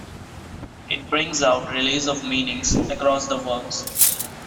It brings out relays of meanings across the works.